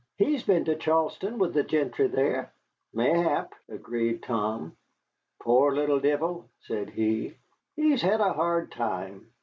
He's been to Charlestown with the gentry there." "Mayhap," agreed Tom. "Pore little deevil," said he, "he's hed a hard time."